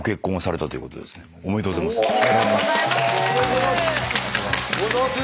おめでとうございます。